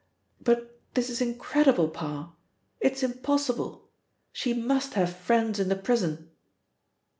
"But this is incredible, Parr, it is impossible! She must have friends in the prison!"